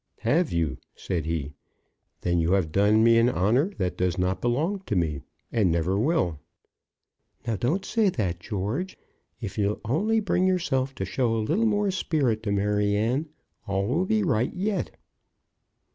"Have you?" said he. "Then you have done me an honour that does not belong to me, and never will." "Now don't say that, George. If you'll only bring yourself to show a little more spirit to Maryanne, all will be right yet."